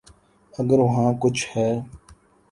اگر وہاں کچھ ہے۔